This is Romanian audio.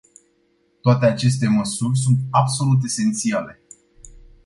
Toate aceste măsuri sunt absolut esențiale.